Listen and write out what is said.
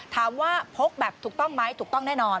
พกแบบถูกต้องไหมถูกต้องแน่นอน